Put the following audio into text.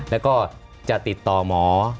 แล้วก็จะติดต่อหมอ